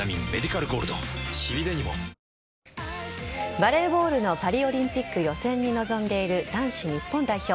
バレーボールのパリオリンピック予選に臨んでいる男子日本代表。